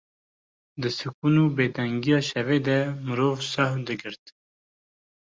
Di sikûn û bêdengiya şevê de mirov sehiw digirt.